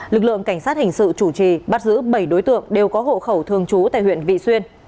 lực lượng cảnh sát hình sự chủ trì bắt giữ bảy đối tượng đều có hộ khẩu thường trú tại huyện vị xuyên